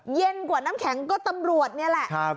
เย็นกว่าน้ำแข็งก็ตำรวจนี่แหละ